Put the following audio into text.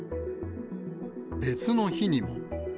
別の日にも。